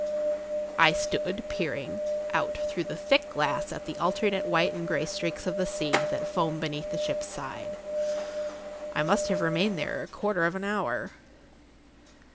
I stood peering out through the thick glass at the alternate white and grey streaks of the sea that foamed beneath the[Pg 43] ship's side. I must have remained there a quarter of an hour.